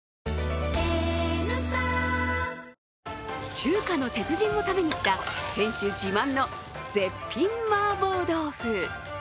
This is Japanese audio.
中華の鉄人も食べに来た店主自慢の絶品麻婆豆腐。